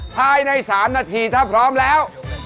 ภายใน๓นาทีถ้าพร้อมแล้ว